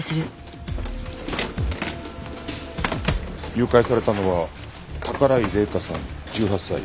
誘拐されたのは宝居麗華さん１８歳。